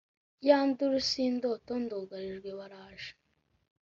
Ya nduru si indoto Ndugarijwe baraje !